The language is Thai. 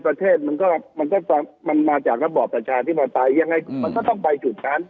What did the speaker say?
ประเทศมันก็มันมาจากระบอบประชาธิปไตยยังไงมันก็ต้องไปจุดนั้น